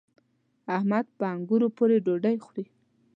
احمد په انګورو پورې ډوډۍ خوري.